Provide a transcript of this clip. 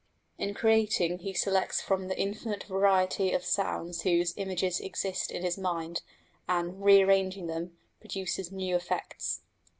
In creating he selects from the infinite variety of sounds whose images exist in his mind, and, rearranging them, produces new effects.